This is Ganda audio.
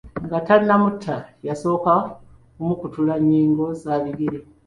Nga tannamutta, yasooka kumukutula nnyingo za bigere.